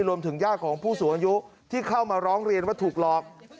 ญาติของผู้สูงอายุที่เข้ามาร้องเรียนว่าถูกหลอก